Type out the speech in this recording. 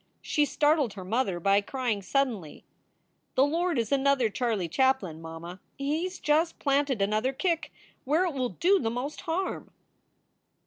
She startled her mother by crying, suddenly: "The Lord is another Charlie Chaplin, mamma! He s just planted another kick where it will do the most harm."